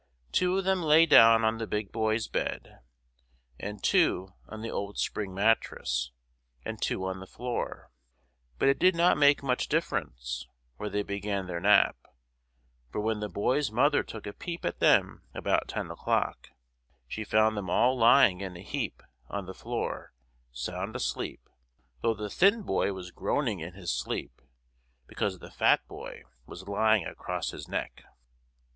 Two of them lay down on the Big Boy's bed, and two on the old spring mattress, and two on the floor; but it did not make much difference where they began their nap, for when the boys' mother took a peep at them about ten o'clock, she found them all lying in a heap on the floor, sound asleep, though the Thin Boy was groaning in his sleep because the Fat Boy was lying across his neck.